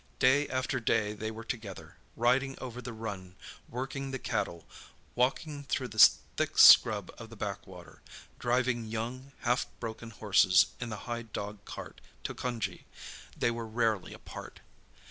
Day after day they were together, riding over the run, working the cattle, walking through the thick scrub of the backwater, driving young, half broken horses in the high dog cart to Cunjee—they were rarely apart.